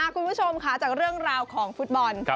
คุณผู้ชมค่ะจากเรื่องราวของฟุตบอล